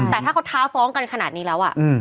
แต่ถ้าเขาท้าฟ้องกันขนาดนี้แล้ว